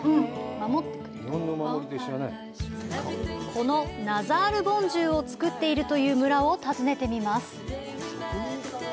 このナザールボンジュウを作っているという村を訪ねてみます。